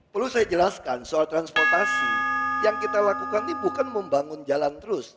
perlu saya jelaskan soal transportasi yang kita lakukan ini bukan membangun jalan terus